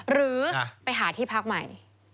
หรือไปหาที่พักใหม่